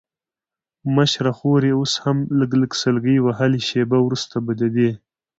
مشره خور یې اوس هم لږ لږ سلګۍ وهلې، شېبه وروسته به د دې.